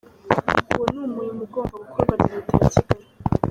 Uwo ni umurimo ugomba gukorwa na Leta ya Kigali.